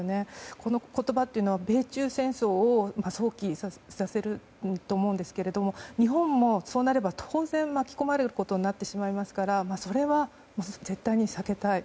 この言葉は米中戦争を想起させると思うんですが日本もそうなれば当然巻き込まれることになってしまいますからそれは絶対に避けたい。